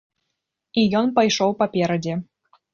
І ён пайшоў паперадзе.